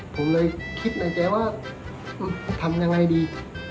ผมเลยคิดในใจว่าทำยังไงดี